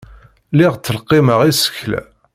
Lliɣ ttleqqimeɣ isekla.